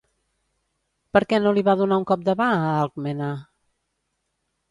Per què no li va donar un cop de mà a Alcmena?